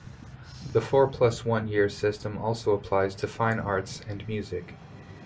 The four-plus-one-year system also applies to fine arts and music.